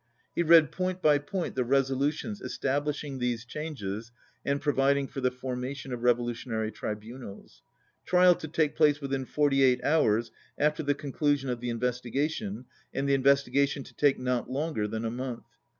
He read point by point the resolutions establishing these changes and providing for the formation of Revo lutionary Tribunals. Trial to take place within forty eight hours after the conclusion of the inves tigation, and the investigation to take not longer than a month.